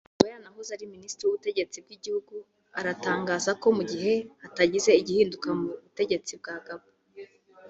akaba yaranahoze ari Minisitiri w’Ubutegetsi bw’igihugu aratangaza ko mu gihe hatagize igihinduka mu butegetsi bwa Gabon